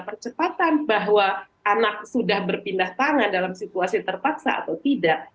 dan kebetulan tidak ada yang mengatakan bahwa anak sudah berpindah tangan dalam situasi terpaksa atau tidak